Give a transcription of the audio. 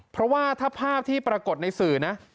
เพราะว่าถ้าภาพที่ปรากฏในสื่อนะ